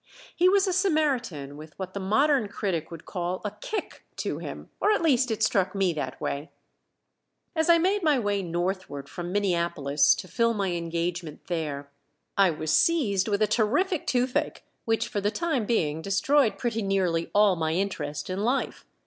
He was a Samaritan with what the modern critic would call a "kick" to him or at least it struck me that way. As I made my way northward from Minneapolis to fill my engagement there I was seized with a terrific toothache which for the time being destroyed pretty nearly all my interest in life.